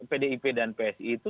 pdip dan psi itu